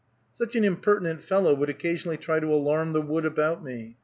Such an impertinent fellow would occasionally try to alarm the wood about me.